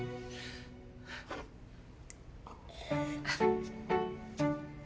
あっ。